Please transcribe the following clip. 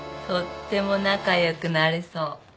とっても仲良くなれそう。